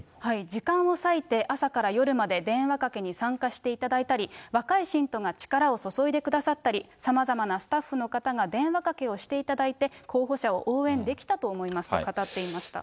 時間を割いて、朝から夜まで電話かけに参加していただいたり、若い信徒が力を注いでくださったり、さまざまなスタッフの方が電話かけをしていただいて、候補者を応援できたと思いますと語っていました。